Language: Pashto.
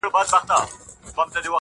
زه قاسم یار چي تل ډېوه ستایمه,